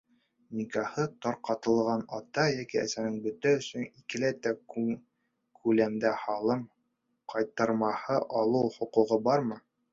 — Никахы тарҡатылған ата йәки әсәнең бала өсөн икеләтә күләмдә һалым ҡайтармаһы алыу хоҡуғы бармы?